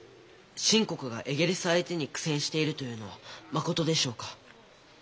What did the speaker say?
清国がエゲレス相手に苦戦しているというのはまことでしょうか。